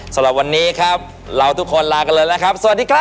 สำหรับวันนี้ครับเราทุกคนลากันเลยนะครับสวัสดีครับ